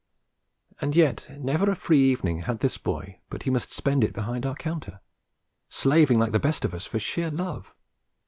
And yet never a free evening had this boy but he must spend it behind our counter, slaving like the best of us for sheer love.